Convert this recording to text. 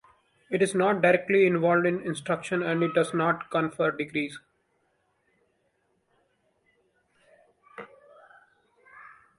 It is not directly involved in instruction and it does not confer degrees.